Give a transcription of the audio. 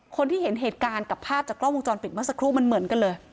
คนที่เห็นเหตุการณ์กับภาพจากกล้องวงจรปิดเมื่อสักครู่มันเหมือนกันเลย